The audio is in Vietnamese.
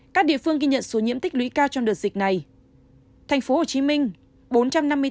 các địa phương ghi nhận số nhiễm tích lũy cao trong đợt dịch này